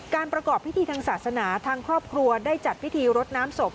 ประกอบพิธีทางศาสนาทางครอบครัวได้จัดพิธีรดน้ำศพ